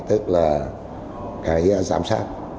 tức là cái giám sát